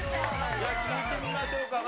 じゃあ、聞いてみましょうか。